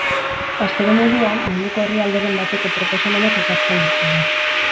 Astero moduan, munduko herrialderen bateko proposamenak ekartzen dizkigu.